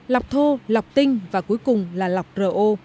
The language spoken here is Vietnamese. lọc thô lọc tinh và cuối cùng là lọc ro